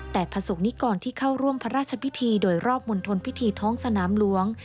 แต่ประสบนิกรที่เข้าร่วมพระราชพิธีโดยรอบมณฑลพิธีท้องสนามหลวง